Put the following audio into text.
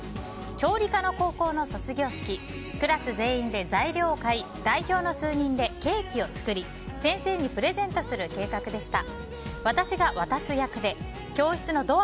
調理科の高校の卒業式クラス全員で材料を買い代表の数人でケーキを作り先生にプレゼントする計画でした。